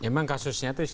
memang kasusnya itu